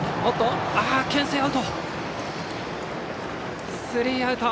けん制アウト。